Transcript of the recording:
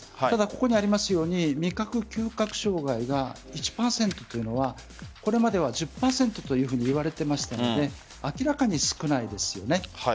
ただ、ここにありますように味覚、嗅覚障害が１％というのはこれまでは１０％といわれていましたので明らかに少ないです。